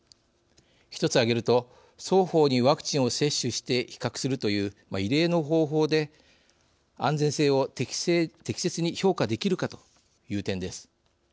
一つ挙げると双方にワクチンを接種して比較するという異例の方法で安全性を適切に評価できるのかという点です。